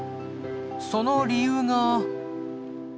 その理由が。